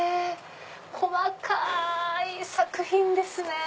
細かい作品ですね！